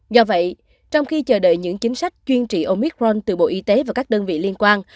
do vậy trong khi chờ đợi những chính sách chuyên trị omicron từ bộ y tế và các đơn vị liên quan